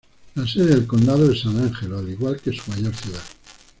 La sede del condado es San Angelo, al igual que su mayor ciudad.